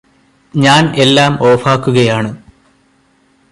ഞാന് എല്ലാം ഓഫാക്കുകയാണ്